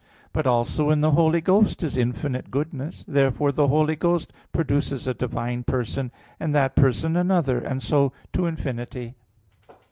But also in the Holy Ghost is infinite goodness. Therefore the Holy Ghost produces a divine person; and that person another; and so to infinity.